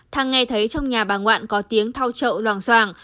thăng nghe thấy trong nhà bà ngoạn có tiếng thao trậu làng soàng